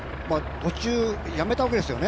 途中、やめたわけですよね。